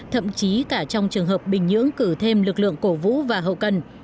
thậm chí cả trong trường hợp bình nhưỡng cử thêm lực lượng cổ vũ và hậu cần